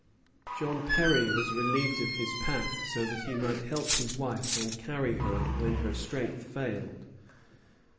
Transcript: John Perry was relieved of his pack, so that he might help his wife and carry her when her strength failed.